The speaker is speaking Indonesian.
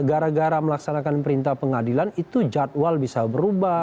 gara gara melaksanakan perintah pengadilan itu jadwal bisa berubah